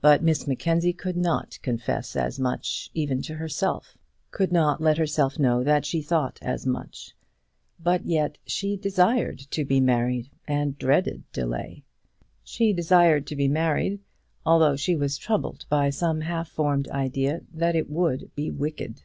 But Miss Mackenzie could not confess as much, even to herself, could not let herself know that she thought as much; but yet she desired to be married, and dreaded delay. She desired to be married, although she was troubled by some half formed idea that it would be wicked.